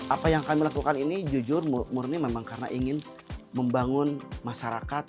apa yang kami lakukan ini jujur murni memang karena ingin membangun masyarakat